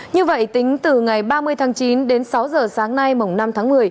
như vậy tính từ ngày ba mươi tháng chín đến sáu giờ sáng nay mùng năm tháng một mươi